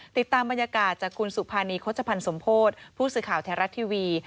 ติดตามบรรยากาศจากคุณสุภานีโฆษภัณฑ์สมโพธิผู้สื่อข่าวไทยรัฐทีวี